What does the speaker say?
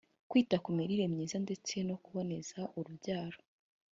kwita ku mirire myiza ndetse no kuboneza urubyaro